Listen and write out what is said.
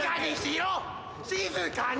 静かに！